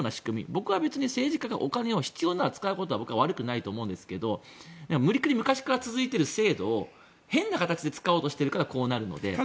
僕は政治家がお金を必要なら使うことは悪くないと思うんですけど無理くり昔から続いている仕組みを変な形で使おうとしているからこうなるので。